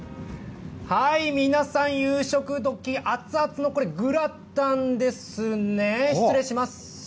皆さん、夕食時、熱々のこれ、グラタンですね、失礼します。